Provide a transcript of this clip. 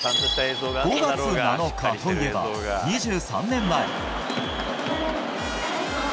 ５月７日といえば、２３年前。